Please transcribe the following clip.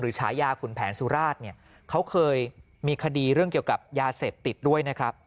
หรือชายาขุนแผนสุราชเขาเคยมีคดีเรื่องเกี่ยวกับยาเสพติดด้วย